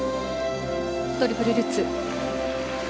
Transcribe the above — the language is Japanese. トリプルルッツ。